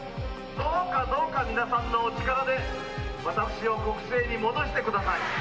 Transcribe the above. どうかどうか皆さんのお力で、私を国政に戻してください。